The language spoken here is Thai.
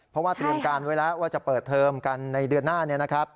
เพราะว่าเตรียมการไว้แล้วว่าจะเปิดเทิมกันในเดือนหน้า